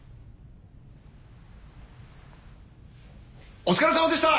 お疲れさまでした！